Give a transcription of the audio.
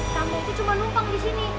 sambungku cuma lumpang di sini